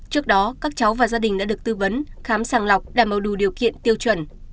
trước đó các cháu và gia đình đã được tư vấn khám sàng lọc đảm bảo đủ điều kiện tiêu chuẩn